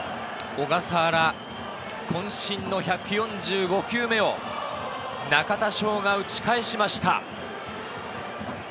小笠原、渾身の１４５球目を中田翔が打ち返しました。